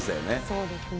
そうですね。